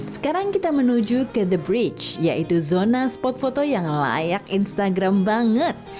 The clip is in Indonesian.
sekarang kita menuju ke the bridge yaitu zona spot foto yang layak instagram banget